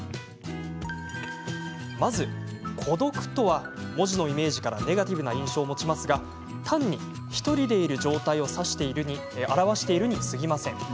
まず孤独とは文字のイメージからネガティブな印象を持ちますが単に１人でいる状態を表しているにすぎません。